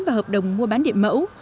và hợp đồng mua bán điện mẫu